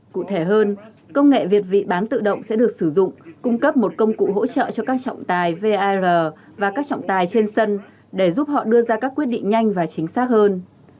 cụ thể hơn công nghệ việt vị bán tự động sẽ được sử dụng cung cấp một công cụ hỗ trợ cho các trọng tài vir và các trọng tài trên sân để giúp họ đưa ra các quyết định nhanh và chính xác hơn